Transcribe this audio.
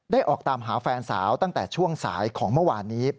ออกตามหาแฟนสาวตั้งแต่ช่วงสายของเมื่อวานนี้